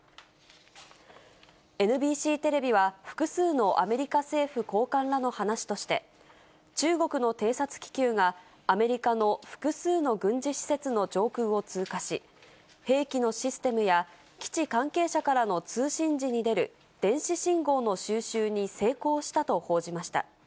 ＮＢＣテレビは、複数のアメリカ政府高官らの話として、中国の偵察気球がアメリカの複数の軍事施設の上空を通過し、兵器のシステムや基地関係者からの通信時に出る電子信号の収集に成功したと報じました。